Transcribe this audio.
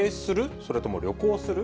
それとも旅行する？